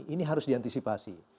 ini harus diantisipasi